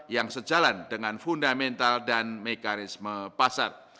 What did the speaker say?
yang sejalan dengan fundamental dan mekanisme pasar